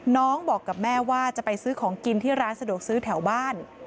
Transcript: บอกกับแม่ว่าจะไปซื้อของกินที่ร้านสะดวกซื้อแถวบ้าน